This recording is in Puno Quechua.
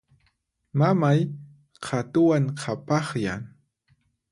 Mamay qhatuwan qhapaqyan.